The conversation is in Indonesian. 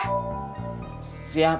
ah siap siap siap